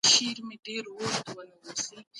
ښځه د ټولنیز عدالت په تامین کي اساسي نقش لري.